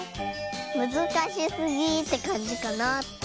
むずかしすぎってかんじかな。